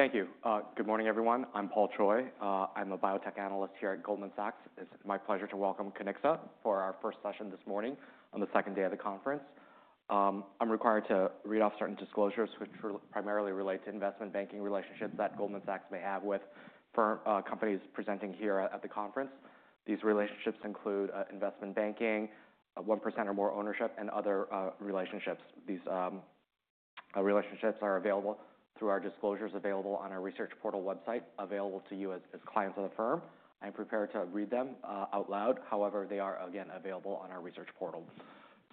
Thank you. Good morning, everyone. I'm Paul Choi. I'm a biotech analyst here at Goldman Sachs. It's my pleasure to welcome Kiniksa for our first session this morning on the second day of the conference. I'm required to read off certain disclosures which will primarily relate to investment banking relationships that Goldman Sachs may have with firms, companies presenting here at the conference. These relationships include investment banking, 1% or more ownership, and other relationships. These relationships are available through our disclosures available on our research portal website, available to you as clients of the firm. I'm prepared to read them out loud. However, they are, again, available on our research portal.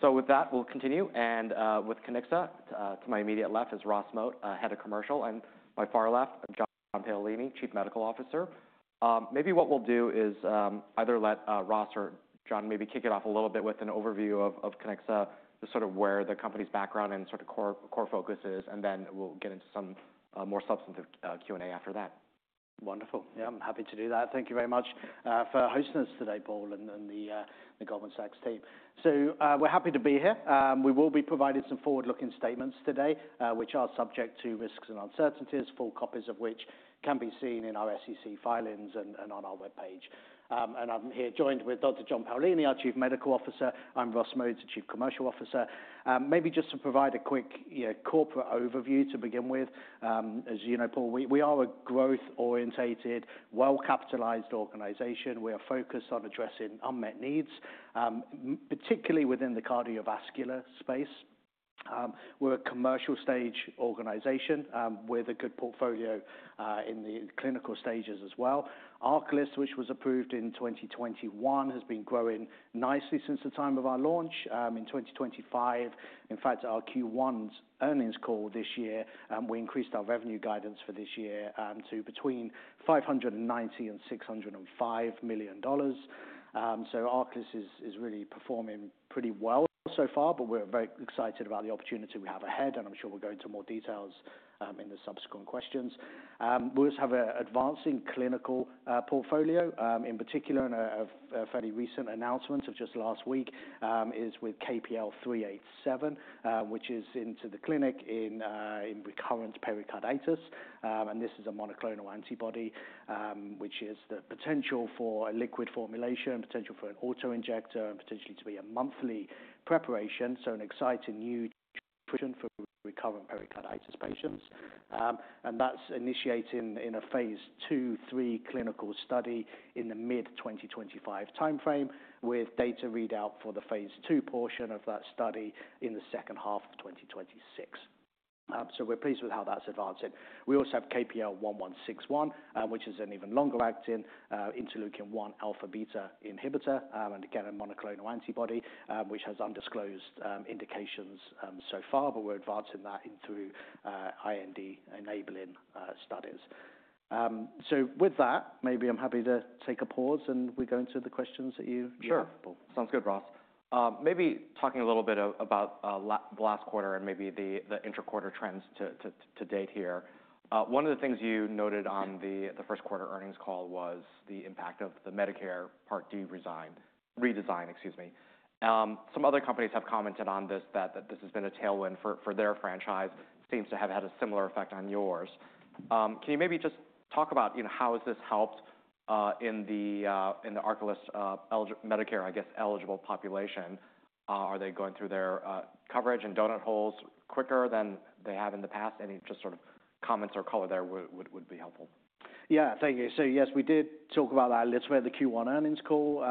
With that, we'll continue. With Kiniksa, to my immediate left is Ross Moat, Head of Commercial, and my far left, John Paolini, Chief Medical Officer. Maybe what we'll do is, either let Ross or John maybe kick it off a little bit with an overview of Kiniksa, just sort of where the company's background and sort of core, core focus is, and then we'll get into some more substantive Q&A after that. Wonderful. Yeah, I'm happy to do that. Thank you very much for hosting us today, Paul, and the Goldman Sachs team. We're happy to be here. We will be providing some forward-looking statements today, which are subject to risks and uncertainties, full copies of which can be seen in our SEC filings and on our webpage. I'm here joined with Dr. John Paolini, our Chief Medical Officer. I'm Ross Mangano, the Chief Commercial Officer. Maybe just to provide a quick, you know, corporate overview to begin with, as you know, Paul, we are a growth-orientated, well-capitalized organization. We are focused on addressing unmet needs, particularly within the cardiovascular space. We're a commercial-stage organization with a good portfolio in the clinical stages as well. ARCALYST, which was approved in 2021, has been growing nicely since the time of our launch. In 2025, in fact, our Q1 earnings call this year, we increased our revenue guidance for this year to between $590 million and $605 million. So ARCALYST is really performing pretty well so far, but we're very excited about the opportunity we have ahead, and I'm sure we'll go into more details in the subsequent questions. We also have an advancing clinical portfolio. In particular, a fairly recent announcement of just last week is with KPL-387, which is into the clinic in recurrent pericarditis. This is a monoclonal antibody, which has the potential for a liquid formulation, potential for an autoinjector, and potentially to be a monthly preparation. An exciting new treatment for recurrent pericarditis patients. and that's initiating in a phase 2/3 clinical study in the mid-2025 timeframe, with data readout for the phase 2 portion of that study in the second half of 2026. We're pleased with how that's advancing. We also have KPL-1161, which is an even longer acting, interleukin-1 alpha beta inhibitor, and again, a monoclonal antibody, which has undisclosed indications so far, but we're advancing that in through IND-enabling studies. With that, maybe I'm happy to take a pause and we go into the questions that you have. Sure. Sounds good, Ross. Maybe talking a little bit about the last quarter and maybe the interquarter trends to date here. One of the things you noted on the first quarter earnings call was the impact of the Medicare Part D redesign, excuse me. Some other companies have commented on this, that this has been a tailwind for their franchise. Seems to have had a similar effect on yours. Can you maybe just talk about, you know, how has this helped in the ARCALYST, Medicare-eligible population? Are they going through their coverage and donut holes quicker than they have in the past? Any just sort of comments or color there would be helpful. Yeah, thank you. Yes, we did talk about that a little bit at the Q1 earnings call,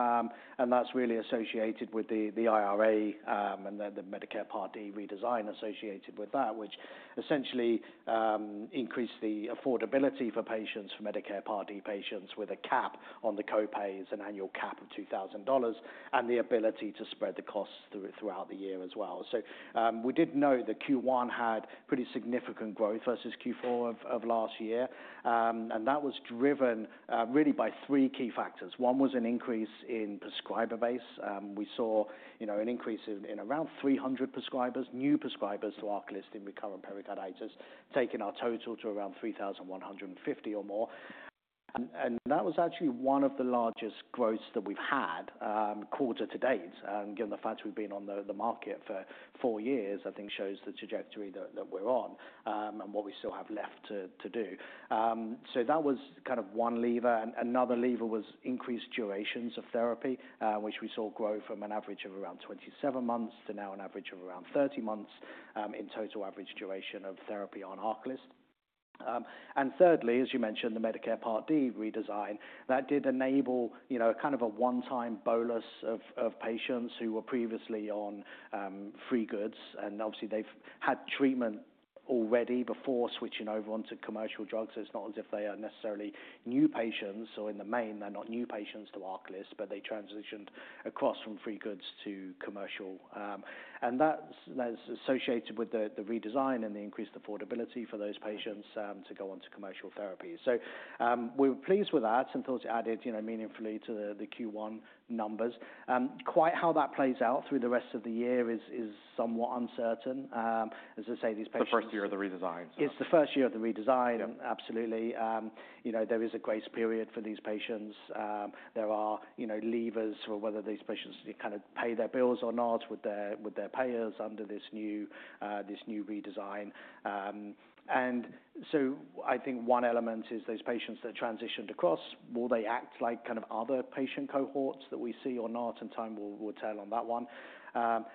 and that's really associated with the IRA and the Medicare Part D redesign associated with that, which essentially increased the affordability for patients, for Medicare Part D patients, with a cap on the co-pays, an annual cap of $2,000, and the ability to spread the costs throughout the year as well. We did note that Q1 had pretty significant growth versus Q4 of last year, and that was driven really by three key factors. One was an increase in prescriber base. We saw, you know, an increase in around 300 prescribers, new prescribers to ARCALYST in recurrent pericarditis, taking our total to around 3,150 or more. That was actually one of the largest growths that we've had, quarter to date. Given the fact we've been on the market for four years, I think shows the trajectory that we're on, and what we still have left to do. That was kind of one lever. Another lever was increased durations of therapy, which we saw grow from an average of around 27 months to now an average of around 30 months, in total average duration of therapy on ARCALYST. Thirdly, as you mentioned, the Medicare Part D redesign did enable, you know, a kind of a one-time bolus of patients who were previously on free goods. Obviously, they've had treatment already before switching over onto commercial drugs. It's not as if they are necessarily new patients, or in the main, they're not new patients to ARCALYST, but they transitioned across from free goods to commercial. and that's associated with the redesign and the increased affordability for those patients to go onto commercial therapy. We were pleased with that and thought it added, you know, meaningfully to the Q1 numbers. Quite how that plays out through the rest of the year is somewhat uncertain. As I say, these patients. The first year of the redesign, so. It's the first year of the redesign. Absolutely. You know, there is a grace period for these patients. There are, you know, levers for whether these patients kind of pay their bills or not with their payers under this new, this new redesign. I think one element is those patients that transitioned across, will they act like kind of other patient cohorts that we see or not? In time, we'll tell on that one.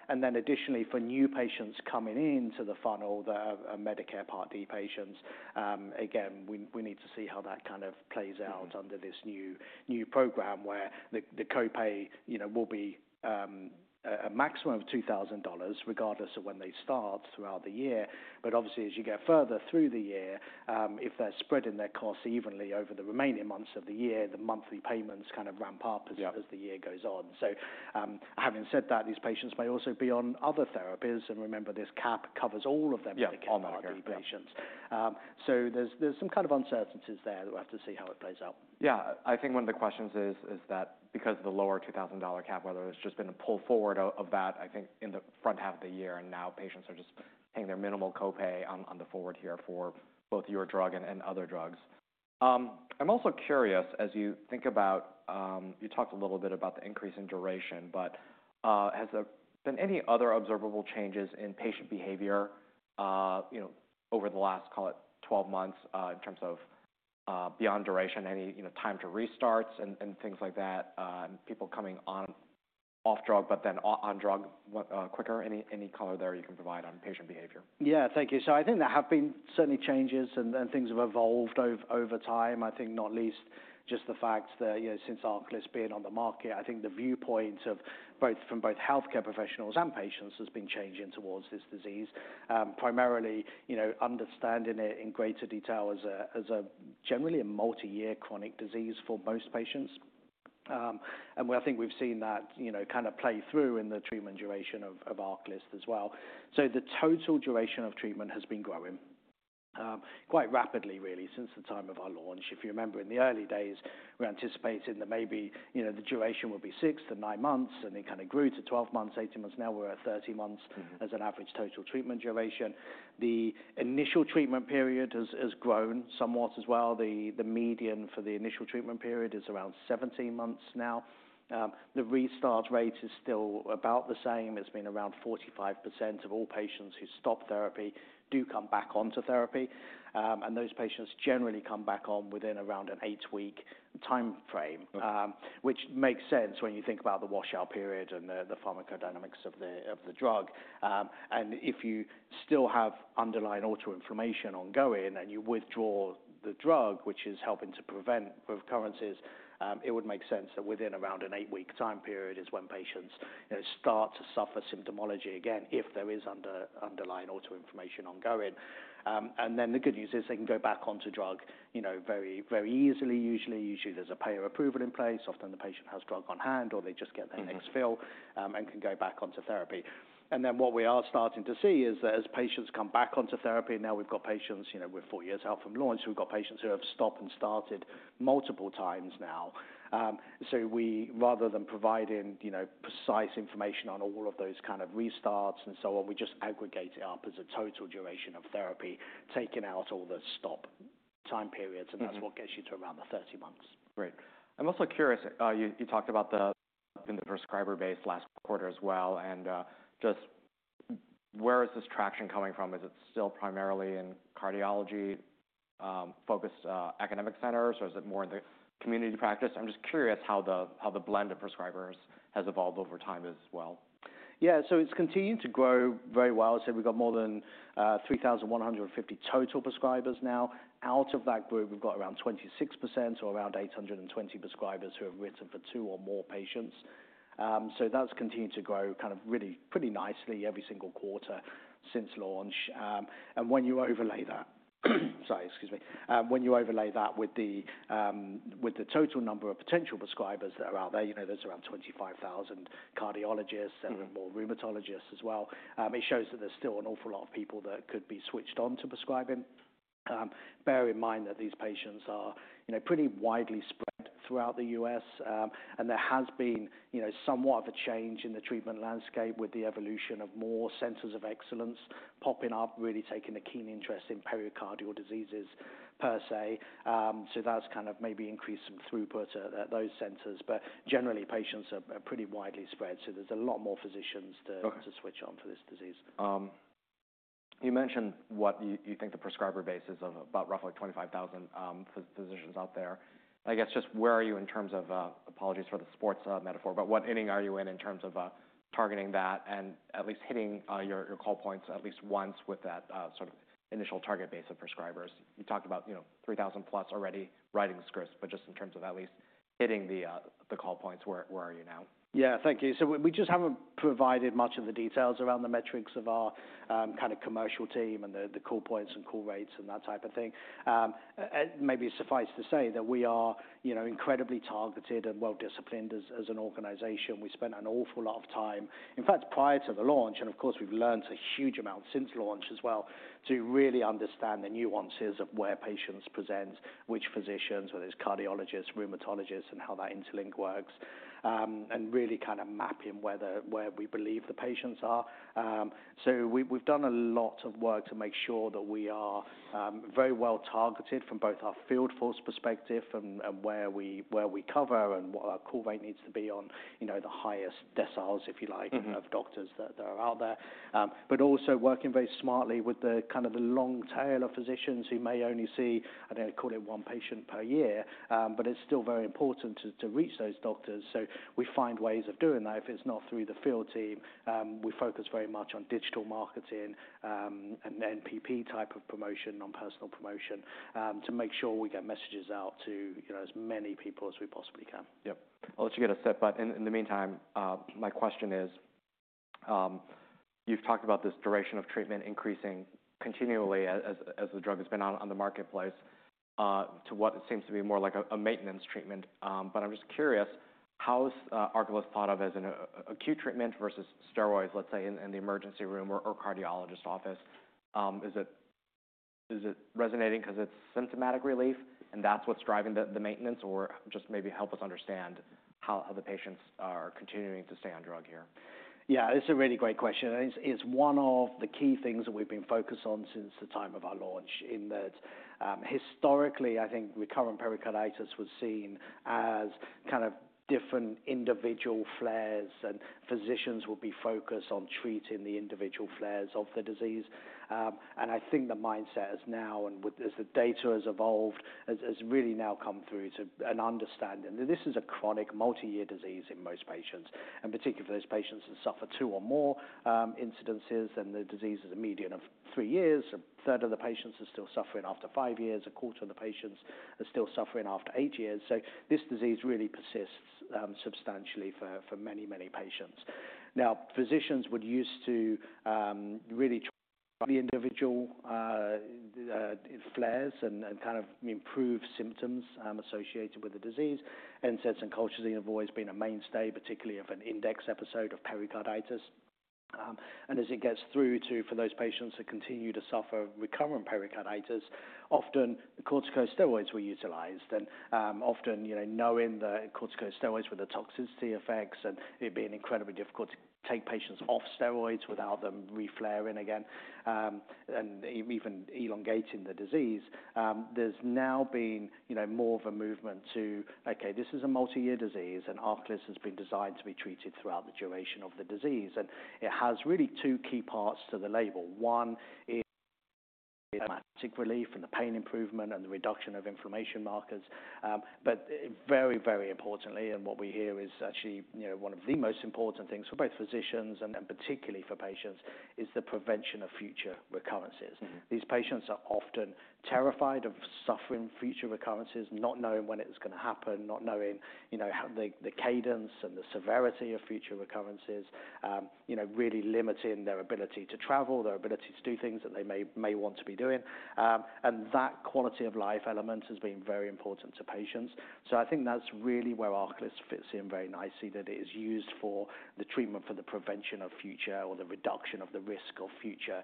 Additionally, for new patients coming into the funnel, the Medicare Part D patients, again, we need to see how that kind of plays out under this new, new program where the co-pay, you know, will be a maximum of $2,000 regardless of when they start throughout the year. Obviously, as you get further through the year, if they're spreading their costs evenly over the remaining months of the year, the monthly payments kind of ramp up as. As the year goes on. Having said that, these patients may also be on other therapies, and remember, this cap covers all of their Medicare Part D patients. Yeah, on that. There's, there's some kind of uncertainties there that we'll have to see how it plays out. Yeah. I think one of the questions is, is that because of the lower $2,000 cap, whether there's just been a pull forward of that, I think, in the front half of the year, and now patients are just paying their minimal co-pay on the forward here for both your drug and other drugs. I'm also curious, as you think about, you talked a little bit about the increase in duration, but has there been any other observable changes in patient behavior, you know, over the last, call it, 12 months, in terms of, beyond duration, any, you know, time to restarts and things like that, and people coming on, off drug, but then on drug, what, quicker? Any color there you can provide on patient behavior? Yeah, thank you. I think there have been certainly changes and things have evolved over time. I think not least just the fact that, you know, since ARCALYST being on the market, I think the viewpoint of both, from both healthcare professionals and patients has been changing towards this disease, primarily, you know, understanding it in greater detail as a, as a generally a multi-year chronic disease for most patients. And we, I think we've seen that, you know, kind of play through in the treatment duration of ARCALYST as well. The total duration of treatment has been growing quite rapidly, really, since the time of our launch. If you remember, in the early days, we anticipated that maybe, you know, the duration would be 6-9 months, and it kind of grew to 12 months, 18 months. Now we're at 30 months. As an average total treatment duration. The initial treatment period has grown somewhat as well. The median for the initial treatment period is around 17 months now. The restart rate is still about the same. It's been around 45% of all patients who stop therapy do come back onto therapy. Those patients generally come back on within around an eight-week timeframe. Which makes sense when you think about the washout period and the pharmacodynamics of the drug. If you still have underlying autoinflammation ongoing and you withdraw the drug, which is helping to prevent recurrences, it would make sense that within around an eight-week time period is when patients, you know, start to suffer symptomatology again if there is underlying autoinflammation ongoing. The good news is they can go back onto drug, you know, very, very easily usually. Usually, there's a payer approval in place. Often, the patient has drug on hand, or they just get their next fill, and can go back onto therapy. What we are starting to see is that as patients come back onto therapy, now we've got patients, you know, we're four years out from launch. We've got patients who have stopped and started multiple times now. So we, rather than providing, you know, precise information on all of those kind of restarts and so on, we just aggregate it up as a total duration of therapy, taking out all the stop time periods. Mm-hmm. That's what gets you to around the 30 months. Great. I'm also curious, you talked about the prescriber base last quarter as well. Just where is this traction coming from? Is it still primarily in cardiology-focused academic centers, or is it more in the community practice? I'm just curious how the blend of prescribers has evolved over time as well. Yeah, so it's continued to grow very well. So we've got more than 3,150 total prescribers now. Out of that group, we've got around 26% or around 820 prescribers who have written for two or more patients. So that's continued to grow kind of really pretty nicely every single quarter since launch. And when you overlay that, sorry, excuse me, when you overlay that with the total number of potential prescribers that are out there, you know, there's around 25,000 cardiologists and. Mm-hmm. More rheumatologists as well. It shows that there's still an awful lot of people that could be switched onto prescribing. Bear in mind that these patients are, you know, pretty widely spread throughout the U.S., and there has been, you know, somewhat of a change in the treatment landscape with the evolution of more centers of excellence popping up, really taking a keen interest in pericardial diseases per se. That's kind of maybe increased some throughput at those centers. Generally, patients are pretty widely spread, so there's a lot more physicians to. Okay. To switch on for this disease. You mentioned what you think the prescriber base is of about roughly 25,000 physicians out there. I guess just where are you in terms of, apologies for the sports metaphor, but what inning are you in in terms of targeting that and at least hitting your call points at least once with that sort of initial target base of prescribers? You talked about, you know, 3,000+ already writing scripts, but just in terms of at least hitting the call points, where are you now? Yeah, thank you. We just haven't provided much of the details around the metrics of our kind of commercial team and the call points and call rates and that type of thing. Maybe suffice to say that we are, you know, incredibly targeted and well-disciplined as an organization. We spent an awful lot of time, in fact, prior to the launch, and of course, we've learned a huge amount since launch as well, to really understand the nuances of where patients present, which physicians, whether it's cardiologists, rheumatologists, and how that interlink works, and really kind of mapping where we believe the patients are. We have done a lot of work to make sure that we are very well targeted from both our field force perspective and where we cover and what our call rate needs to be on the highest deciles, if you like. Mm-hmm. Of doctors that are out there, but also working very smartly with the kind of the long tail of physicians who may only see, I don't know, call it one patient per year. It is still very important to reach those doctors. We find ways of doing that. If it is not through the field team, we focus very much on digital marketing and NPP type of promotion, non-personal promotion, to make sure we get messages out to as many people as we possibly can. Yep. I'll let you get a sip. In the meantime, my question is, you've talked about this duration of treatment increasing continually as the drug has been on the marketplace, to what seems to be more like a maintenance treatment. I'm just curious, how is ARCALYST thought of as an acute treatment versus steroids, let's say, in the emergency room or cardiologist's office? Is it resonating 'cause it's symptomatic relief and that's what's driving the maintenance, or just maybe help us understand how the patients are continuing to stay on drug here? Yeah, it's a really great question. It's one of the key things that we've been focused on since the time of our launch in that, historically, I think recurrent pericarditis was seen as kind of different individual flares, and physicians would be focused on treating the individual flares of the disease. I think the mindset is now, and as the data has evolved, has really now come through to an understanding that this is a chronic multi-year disease in most patients, and particularly for those patients that suffer two or more incidences, then the disease is a median of three years. A third of the patients are still suffering after five years. A quarter of the patients are still suffering after eight years. This disease really persists substantially for many, many patients. Now, physicians were used to really try the individual flares and kind of improve symptoms associated with the disease. NSAIDs and colchicine have always been a mainstay, particularly of an index episode of pericarditis. As it gets through to, for those patients that continue to suffer recurrent pericarditis, often corticosteroids were utilized. Often, you know, knowing the corticosteroids with the toxicity effects and it being incredibly difficult to take patients off steroids without them reflaring again, and even elongating the disease, there's now been, you know, more of a movement to, okay, this is a multi-year disease, and ARCALYST has been designed to be treated throughout the duration of the disease. It has really two key parts to the label. One is dramatic relief and the pain improvement and the reduction of inflammation markers. But very, very importantly, and what we hear is actually, you know, one of the most important things for both physicians and, and particularly for patients is the prevention of future recurrences. These patients are often terrified of suffering future recurrences, not knowing when it's gonna happen, not knowing, you know, how the cadence and the severity of future recurrences, you know, really limiting their ability to travel, their ability to do things that they may, may want to be doing. That quality of life element has been very important to patients. I think that's really where ARCALYST fits in very nicely, that it is used for the treatment for the prevention of future or the reduction of the risk of future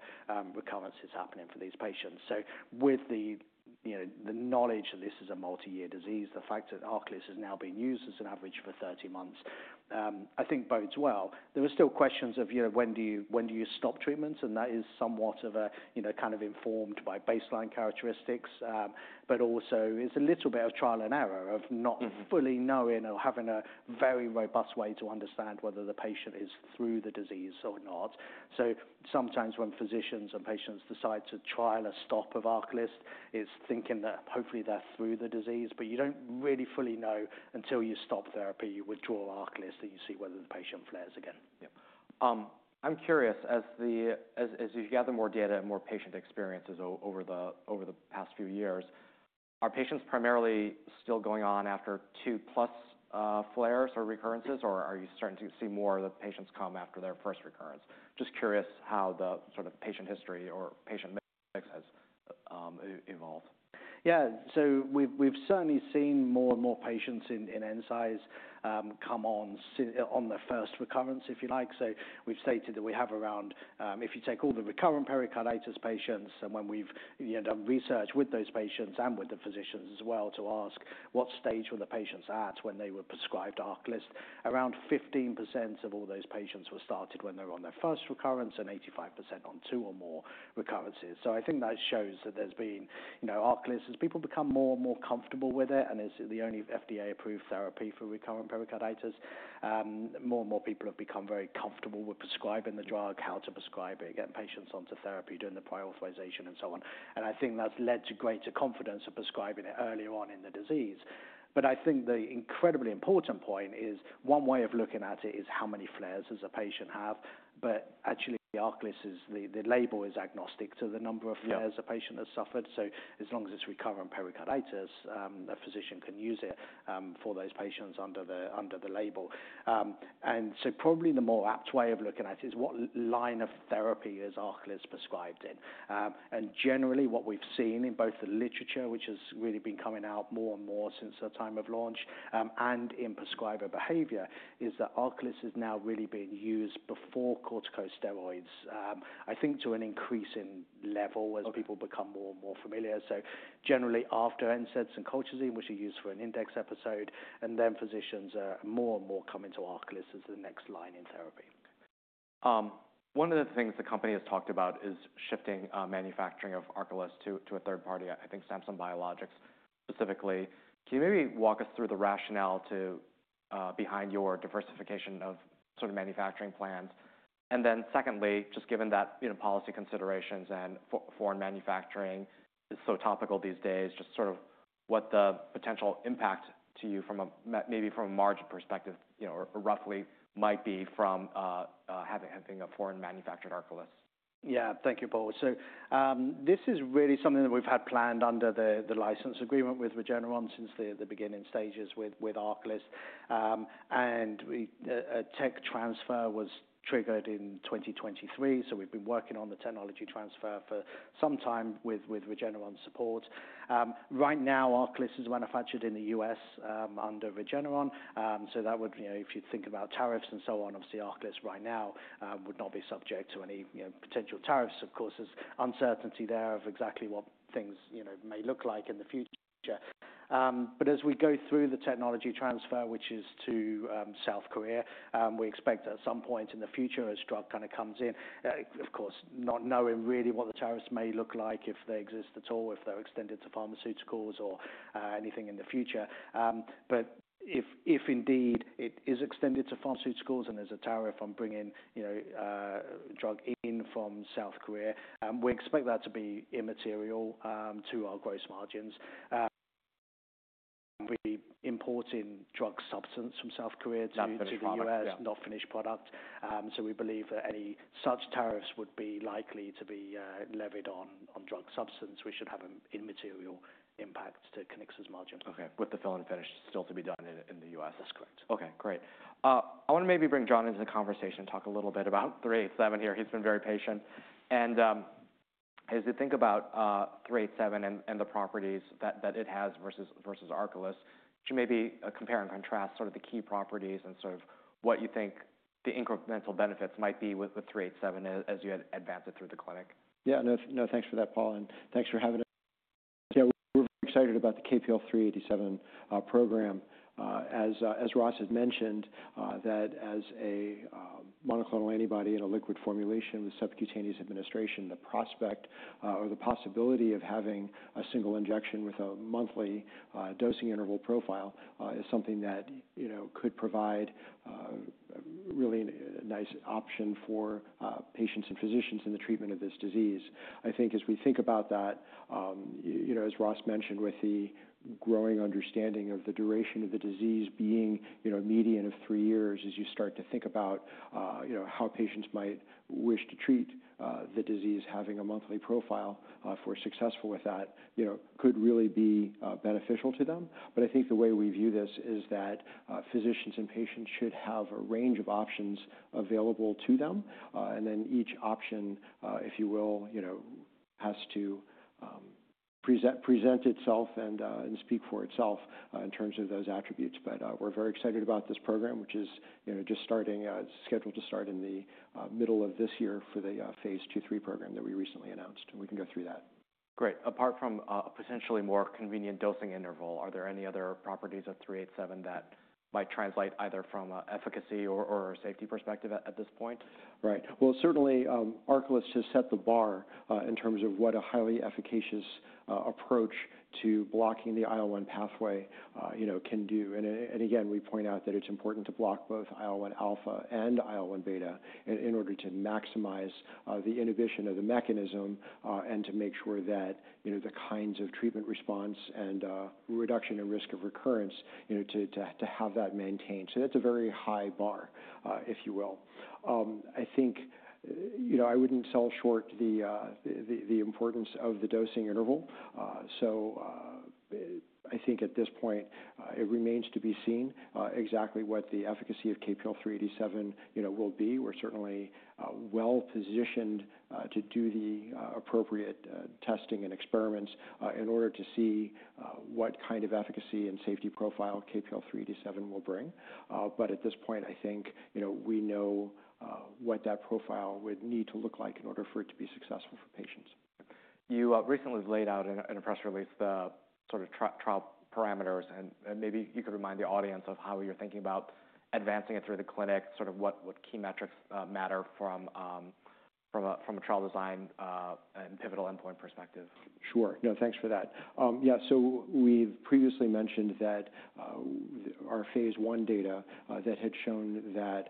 recurrences happening for these patients. With the knowledge that this is a multi-year disease, the fact that ARCALYST has now been used as an average for 30 months, I think bodes well. There are still questions of, you know, when do you, when do you stop treatments? That is somewhat of a, you know, kind of informed by baseline characteristics, but also is a little bit of trial and error of not. Mm-hmm. Fully knowing or having a very robust way to understand whether the patient is through the disease or not. Sometimes when physicians and patients decide to trial a stop of ARCALYST, it's thinking that hopefully they're through the disease, but you don't really fully know until you stop therapy, you withdraw ARCALYST, and you see whether the patient flares again. Yep. I'm curious, as you gather more data and more patient experiences over the past few years, are patients primarily still going on after two-plus flares or recurrences, or are you starting to see more of the patients come after their first recurrence? Just curious how the sort of patient history or patient mix has evolved. Yeah, so we've certainly seen more and more patients in NSAIDs come on, on their first recurrence, if you like. So we've stated that we have around, if you take all the recurrent pericarditis patients, and when we've done research with those patients and with the physicians as well to ask what stage were the patients at when they were prescribed ARCALYST, around 15% of all those patients were started when they were on their first recurrence and 85% on two or more recurrences. I think that shows that there's been, you know, ARCALYST, as people become more and more comfortable with it, and it's the only FDA-approved therapy for recurrent pericarditis, more and more people have become very comfortable with prescribing the drug, how to prescribe it, getting patients onto therapy, doing the prior authorization, and so on. I think that's led to greater confidence of prescribing it earlier on in the disease. I think the incredibly important point is one way of looking at it is how many flares does a patient have. Actually, ARCALYST is the, the label is agnostic to the number of flares. Mm-hmm. A patient has suffered. As long as it's recurrent pericarditis, a physician can use it for those patients under the label. Probably the more apt way of looking at it is what line of therapy is ARCALYST prescribed in. Generally, what we've seen in both the literature, which has really been coming out more and more since the time of launch, and in prescriber behavior, is that ARCALYST has now really been used before corticosteroids, I think to an increasing level as people become more and more familiar. Generally, after NSAIDs and colchicine, which are used for an index episode, physicians more and more come into ARCALYST as the next line in therapy. Okay. One of the things the company has talked about is shifting manufacturing of ARCALYST to a third party, I think Samsung Biologics specifically. Can you maybe walk us through the rationale behind your diversification of sort of manufacturing plans? And then secondly, just given that, you know, policy considerations and foreign manufacturing is so topical these days, just sort of what the potential impact to you from a maybe from a margin perspective, you know, or roughly might be from having a foreign-manufactured ARCALYST? Yeah, thank you, Paul. This is really something that we've had planned under the license agreement with since the beginning stages with ARCALYST. We, tech transfer was triggered in 2023. We've been working on the technology transfer for some time with Regeneron support. Right now, ARCALYST is manufactured in the United States under Regeneron. That would, you know, if you think about tariffs and so on, obviously, ARCALYST right now would not be subject to any, you know, potential tariffs. Of course, there's uncertainty there of exactly what things, you know, may look like in the future. As we go through the technology transfer, which is to South Korea, we expect at some point in the future, as drug kind of comes in, of course, not knowing really what the tariffs may look like, if they exist at all, if they're extended to pharmaceuticals or anything in the future. If indeed it is extended to pharmaceuticals and there's a tariff on bringing, you know, drug in from South Korea, we expect that to be immaterial to our gross margins. We import in drug substance from South Korea too. That's a good example. To the U.S., not finished product. So we believe that any such tariffs would be likely to be levied on drug substance. We should have an immaterial impact to Kiniksa's margins. Okay. With the fill and finish still to be done in the U.S. That's correct. Okay. Great. I wanna maybe bring John into the conversation and talk a little bit about 387 here. He's been very patient. As you think about 387 and the properties that it has versus ARCALYST, could you maybe compare and contrast sort of the key properties and sort of what you think the incremental benefits might be with 387 as you advance it through the clinic? Yeah, no, no, thanks for that, Paul, and thanks for having us. Yeah, we're very excited about the KPL-387 program. As Ross had mentioned, that is a monoclonal antibody in a liquid formulation with subcutaneous administration. The prospect, or the possibility of having a single injection with a monthly dosing interval profile, is something that, you know, could provide really a nice option for patients and physicians in the treatment of this disease. I think as we think about that, you know, as Ross mentioned, with the growing understanding of the duration of the disease being, you know, a median of three years, as you start to think about, you know, how patients might wish to treat the disease, having a monthly profile, if we're successful with that, you know, could really be beneficial to them. I think the way we view this is that physicians and patients should have a range of options available to them, and then each option, if you will, has to present itself and speak for itself in terms of those attributes. We are very excited about this program, which is just starting, scheduled to start in the middle of this year for the phase two-three program that we recently announced. We can go through that. Great. Apart from a potentially more convenient dosing interval, are there any other properties of 387 that might translate either from an efficacy or a safety perspective at this point? Right. Certainly, ARCALYST has set the bar, in terms of what a highly efficacious approach to blocking the IL-1 pathway, you know, can do. Again, we point out that it's important to block both IL-1 alpha and IL-1 beta in order to maximize the inhibition of the mechanism, and to make sure that, you know, the kinds of treatment response and reduction in risk of recurrence, you know, to have that maintained. That is a very high bar, if you will. I think, you know, I wouldn't sell short the importance of the dosing interval. I think at this point, it remains to be seen exactly what the efficacy of KPL-387, you know, will be. We're certainly well-positioned to do the appropriate testing and experiments in order to see what kind of efficacy and safety profile KPL-387 will bring. At this point, I think, you know, we know what that profile would need to look like in order for it to be successful for patients. You recently laid out in a press release the sort of tri-trial parameters, and maybe you could remind the audience of how you're thinking about advancing it through the clinic, sort of what key metrics matter from a trial design and pivotal endpoint perspective. Sure. No, thanks for that. Yeah, so we've previously mentioned that our phase one data that had shown that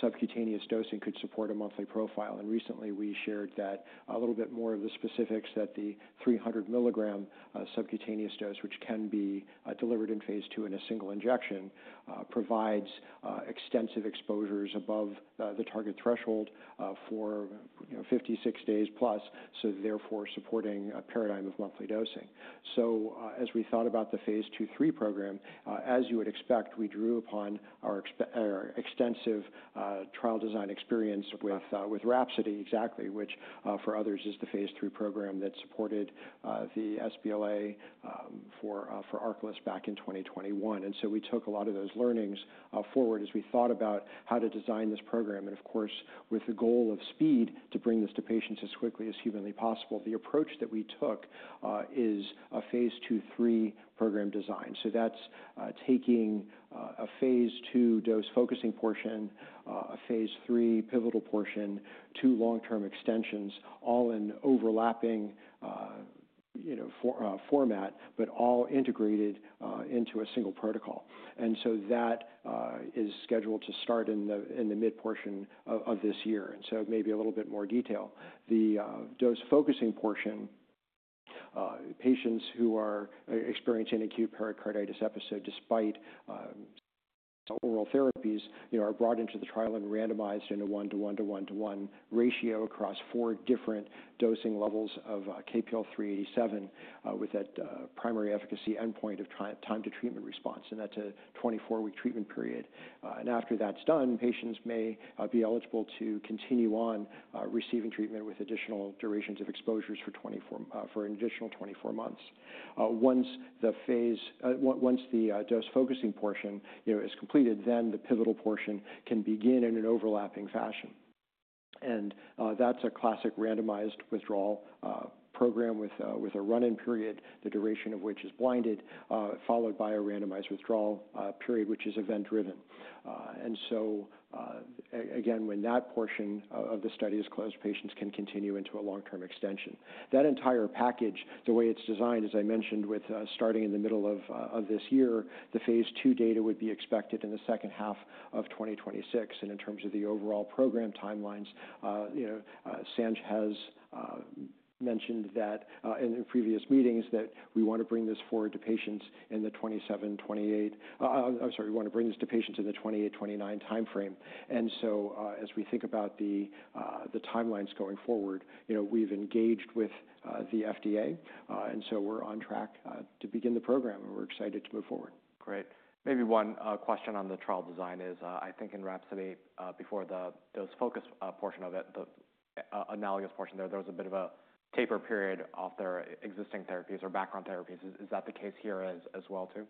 subcutaneous dosing could support a monthly profile. Recently, we shared a little bit more of the specifics that the 300 mg subcutaneous dose, which can be delivered in phase two in a single injection, provides extensive exposures above the target threshold for, you know, 56 days plus, therefore supporting a paradigm of monthly dosing. As we thought about the phase two-three program, as you would expect, we drew upon our extensive trial design experience with Rhapsody exactly, which, for others, is the phase three program that supported the sBLA for ARCALYST back in 2021. We took a lot of those learnings forward as we thought about how to design this program. Of course, with the goal of speed to bring this to patients as quickly as humanly possible, the approach that we took is a phase two-three program design. That's taking a phase two dose-focusing portion, a phase three pivotal portion, two long-term extensions, all in overlapping format, but all integrated into a single protocol. That is scheduled to start in the mid-portion of this year. Maybe a little bit more detail. The dose-focusing portion, patients who are experiencing acute pericarditis episode despite oral therapies, you know, are brought into the trial and randomized in a one-to-one-to-one-to-one ratio across four different dosing levels of KPL-387, with that primary efficacy endpoint of time to treatment response, and that's a 24-week treatment period. And after that's done, patients may be eligible to continue on, receiving treatment with additional durations of exposures for 24, for an additional 24 months. Once the phase, once the dose-focusing portion, you know, is completed, then the pivotal portion can begin in an overlapping fashion. That's a classic randomized withdrawal program with a run-in period, the duration of which is blinded, followed by a randomized withdrawal period, which is event-driven. Again, when that portion of the study is closed, patients can continue into a long-term extension. That entire package, the way it's designed, as I mentioned, with starting in the middle of this year, the phase two data would be expected in the second half of 2026. In terms of the overall program timelines, you know, Sanj has mentioned that, in previous meetings, that we wanna bring this forward to patients in the 2027, 2028, I'm sorry, we wanna bring this to patients in the 2028, 2029 timeframe. As we think about the timelines going forward, you know, we've engaged with the FDA. We are on track to begin the program, and we're excited to move forward. Great. Maybe one question on the trial design is, I think in Rhapsody, before the dose-focus portion of it, the analogous portion there, there was a bit of a taper period off their existing therapies or background therapies. Is that the case here as well too?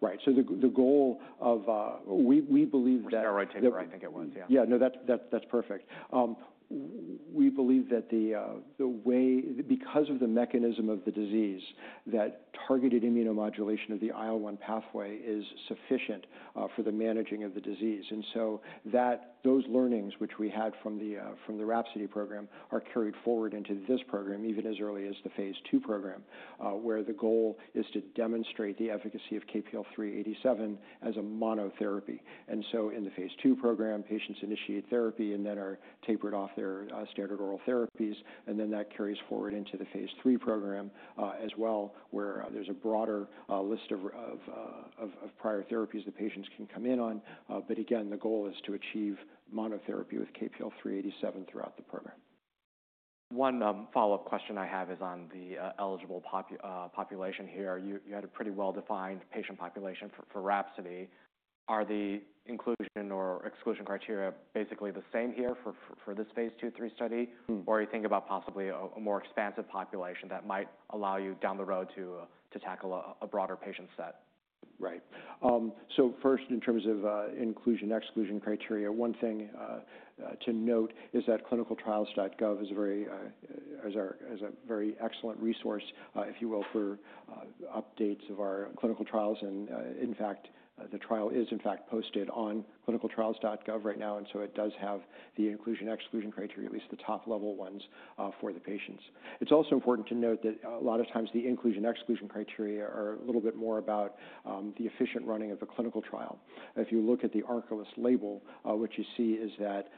Right. The goal of, we believe that. The steroid taper, I think it was. Yeah. Yeah. No, that's perfect. We believe that the way, because of the mechanism of the disease, that targeted immunomodulation of the IL-1 pathway is sufficient for the managing of the disease. And those learnings, which we had from the Rhapsody program, are carried forward into this program even as early as the phase two program, where the goal is to demonstrate the efficacy of KPL-387 as a monotherapy. In the phase two program, patients initiate therapy and then are tapered off their standard oral therapies, and that carries forward into the phase three program as well, where there's a broader list of prior therapies that patients can come in on. Again, the goal is to achieve monotherapy with KPL-387 throughout the program. One follow-up question I have is on the eligible population here. You had a pretty well-defined patient population for Rhapsody. Are the inclusion or exclusion criteria basically the same here for this phase 2-3 study? Or are you thinking about possibly a more expansive population that might allow you down the road to tackle a broader patient set? Right. First, in terms of inclusion-exclusion criteria, one thing to note is that clinicaltrials.gov is a very, is our, is a very excellent resource, if you will, for updates of our clinical trials. In fact, the trial is, in fact, posted on clinicaltrials.gov right now, and it does have the inclusion-exclusion criteria, at least the top-level ones, for the patients. It's also important to note that a lot of times the inclusion-exclusion criteria are a little bit more about the efficient running of the clinical trial. If you look at the ARCALYST label, what you see is that,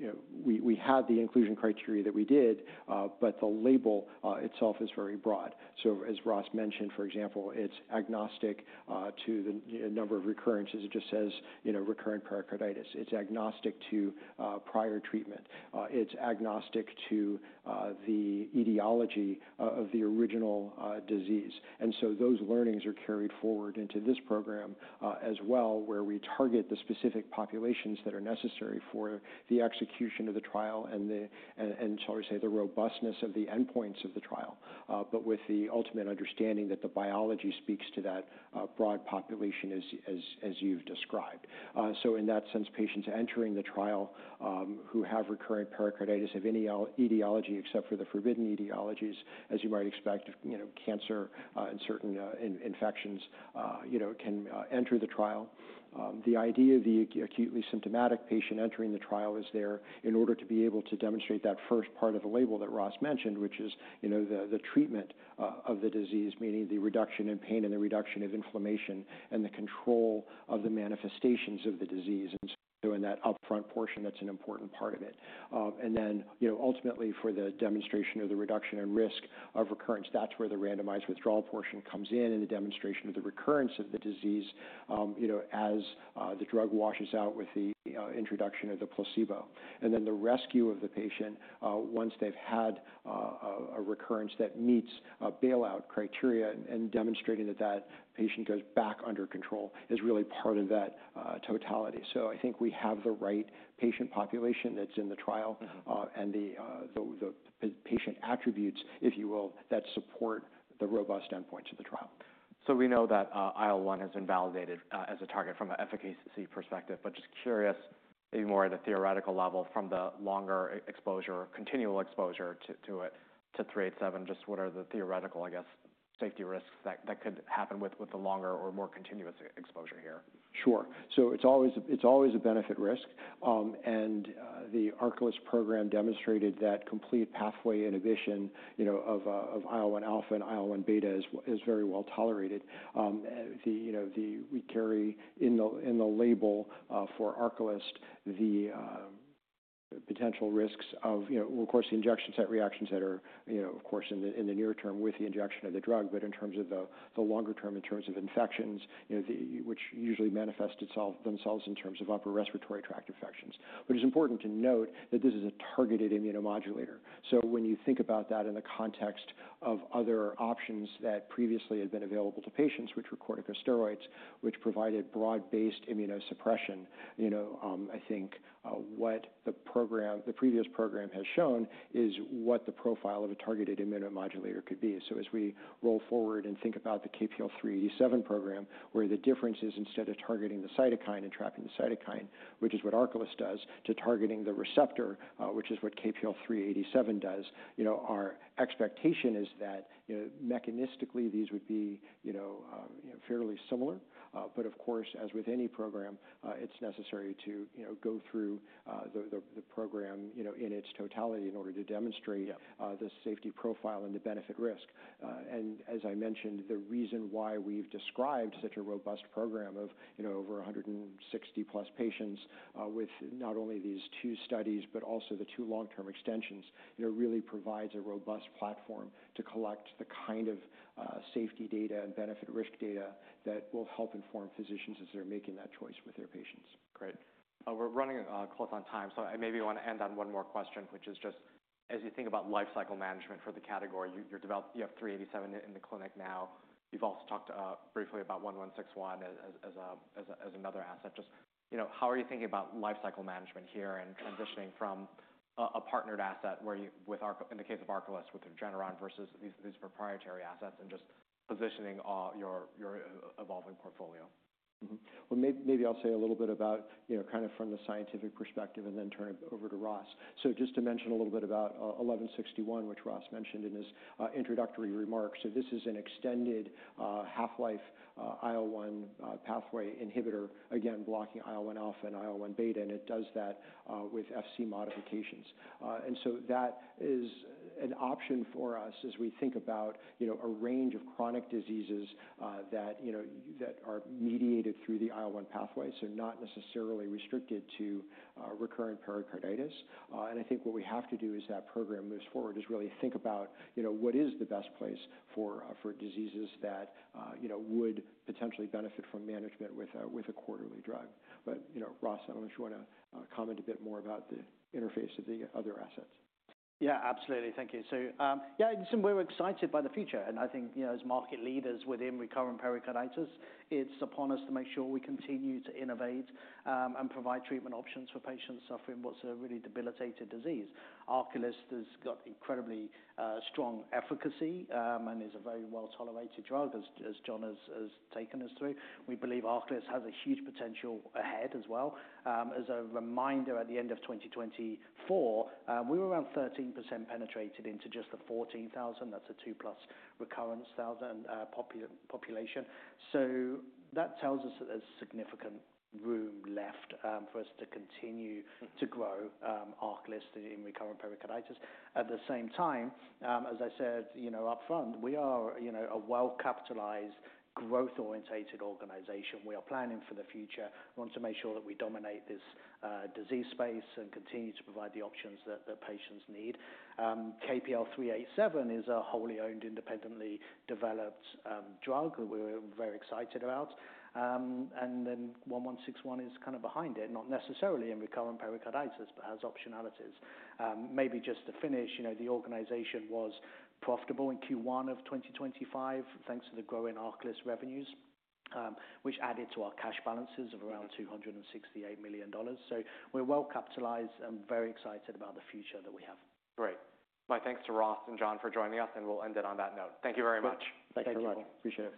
you know, we had the inclusion criteria that we did, but the label itself is very broad. As Ross mentioned, for example, it's agnostic to the, you know, number of recurrences. It just says, you know, recurrent pericarditis. It's agnostic to prior treatment. It's agnostic to the etiology of the original disease. Those learnings are carried forward into this program as well, where we target the specific populations that are necessary for the execution of the trial and, shall we say, the robustness of the endpoints of the trial, with the ultimate understanding that the biology speaks to that broad population as you've described. In that sense, patients entering the trial who have recurrent pericarditis of any etiology except for the forbidden etiologies, as you might expect, you know, cancer and certain infections, you know, can enter the trial. The idea of the acutely symptomatic patient entering the trial is there in order to be able to demonstrate that first part of the label that Ross mentioned, which is, you know, the treatment of the disease, meaning the reduction in pain and the reduction of inflammation and the control of the manifestations of the disease. In that upfront portion, that's an important part of it. Ultimately, for the demonstration of the reduction in risk of recurrence, that's where the randomized withdrawal portion comes in and the demonstration of the recurrence of the disease, you know, as the drug washes out with the introduction of the placebo. The rescue of the patient, once they've had a recurrence that meets bailout criteria and demonstrating that that patient goes back under control, is really part of that totality. I think we have the right patient population that's in the trial and the patient attributes, if you will, that support the robust endpoints of the trial. We know that IL-1 has been validated as a target from an efficacy perspective, but just curious maybe more at a theoretical level from the longer exposure, continual exposure to it, to 387, just what are the theoretical, I guess, safety risks that could happen with the longer or more continuous exposure here? Sure. So it's always a, it's always a benefit risk, and the ARCALYST program demonstrated that complete pathway inhibition, you know, of, of IL-1 alpha and IL-1 beta is, is very well tolerated. The, you know, we carry in the, in the label, for ARCALYST, the potential risks of, you know, of course, the injection site reactions that are, you know, of course, in the, in the near term with the injection of the drug, but in terms of the, the longer term, in terms of infections, you know, which usually manifest themselves in terms of upper respiratory tract infections. But it's important to note that this is a targeted immunomodulator. When you think about that in the context of other options that previously had been available to patients, which were corticosteroids, which provided broad-based immunosuppression, you know, I think what the program, the previous program has shown is what the profile of a targeted immunomodulator could be. As we roll forward and think about the KPL-387 program, where the difference is instead of targeting the cytokine and trapping the cytokine, which is what ARCALYST does, to targeting the receptor, which is what KPL-387 does, you know, our expectation is that, you know, mechanistically, these would be, you know, fairly similar. Of course, as with any program, it's necessary to, you know, go through the program, you know, in its totality in order to demonstrate. the safety profile and the benefit risk. As I mentioned, the reason why we've described such a robust program of, you know, over 160+ patients, with not only these two studies, but also the two long-term extensions, you know, really provides a robust platform to collect the kind of safety data and benefit risk data that will help inform physicians as they're making that choice with their patients. Great. We're running close on time, so I maybe wanna end on one more question, which is just as you think about lifecycle management for the category, you have 387 in the clinic now. You've also talked briefly about 1161 as another asset. Just, you know, how are you thinking about lifecycle management here and transitioning from a partnered asset where you, with ARCALYST in the case of ARCALYST with Regeneron versus these proprietary assets and just positioning all your evolving portfolio? Mm-hmm. Maybe I'll say a little bit about, you know, kind of from the scientific perspective and then turn it over to Ross. Just to mention a little bit about 1161, which Ross mentioned in his introductory remarks. This is an extended half-life IL-1 pathway inhibitor, again, blocking IL-1 alpha and IL-1 beta, and it does that with FC modifications. That is an option for us as we think about, you know, a range of chronic diseases that, you know, are mediated through the IL-1 pathway, so not necessarily restricted to recurrent pericarditis. I think what we have to do as that program moves forward is really think about, you know, what is the best place for diseases that, you know, would potentially benefit from management with a quarterly drug. You know, Ross, I don't know if you wanna comment a bit more about the interface of the other assets. Yeah, absolutely. Thank you. Yeah, in some way, we're excited by the future. I think, you know, as market leaders within recurrent pericarditis, it's upon us to make sure we continue to innovate and provide treatment options for patients suffering what's a really debilitating disease. ARCALYST has got incredibly strong efficacy and is a very well-tolerated drug, as John has taken us through. We believe ARCALYST has a huge potential ahead as well. As a reminder, at the end of 2024, we were around 13% penetrated into just the 14,000. That's a 2+ recurrence thousand population. That tells us that there's significant room left for us to continue. To grow, ARCALYST in recurrent pericarditis. At the same time, as I said, you know, upfront, we are, you know, a well-capitalized, growth-orientated organization. We are planning for the future. We want to make sure that we dominate this disease space and continue to provide the options that, that patients need. KPL-387 is a wholly owned, independently developed drug that we're very excited about. And then KPL-1161 is kind of behind it, not necessarily in recurrent pericarditis, but has optionalities. Maybe just to finish, you know, the organization was profitable in Q1 of 2025 thanks to the growing ARCALYST revenues, which added to our cash balances of around $268 million. We are well-capitalized and very excited about the future that we have. Great. My thanks to Ross and John for joining us, and we'll end it on that note. Thank you very much. Thank you. Thank you very much. Appreciate it.